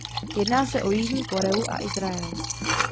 Jedná se o Jižní Koreu a Izrael.